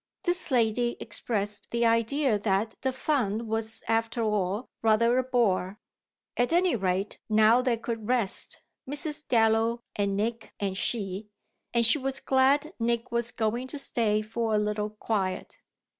This lady expressed the idea that the fun was after all rather a bore. At any rate now they could rest, Mrs. Dallow and Nick and she, and she was glad Nick was going to stay for a little quiet.